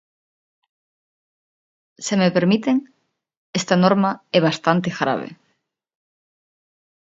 Se me permiten, esta norma é bastante grave.